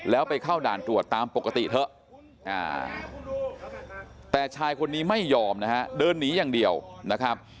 แล้วไปเข้าด่านตรวจตามปกติเถอะแต่ชายคนนี้ไม่ยอมนะฮะเดินหนีอย่างเดียวนะครับ